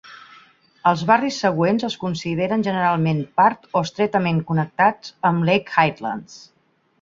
Els barris següents es consideren generalment part o estretament connectats amb Lake Highlands.